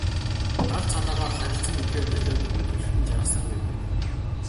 Далд санаагаа харилцан мэдэхээ болиод хүн төрөлхтөн жаргасангүй.